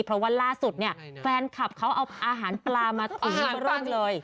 เพราะว่าล่าสุดเนี่ยแฟนคลับเขาเอาอาหารปลามาทิ้งร่องเลย